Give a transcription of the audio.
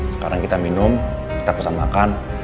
sekarang kita minum kita pesan makan